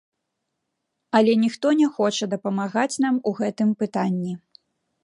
Але ніхто не хоча дапамагаць нам у гэтым пытанні.